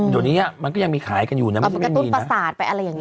เดี๋ยวนี้มันก็ยังมีขายกันอยู่นะมันจะกระตุ้นประสาทไปอะไรอย่างนี้